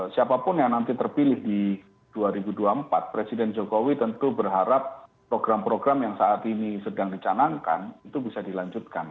siapapun yang nanti terpilih di dua ribu dua puluh empat presiden jokowi tentu berharap program program yang saat ini sedang dicanangkan itu bisa dilanjutkan